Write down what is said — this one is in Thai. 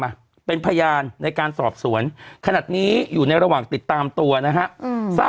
มาเป็นพยานในการสอบสวนขนาดนี้อยู่ในระหว่างติดตามตัวนะฮะ